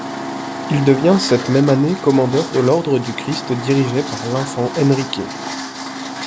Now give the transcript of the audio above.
Il devient cette même année commandeur de l'Ordre du Christ dirigé par l'Infant Henrique.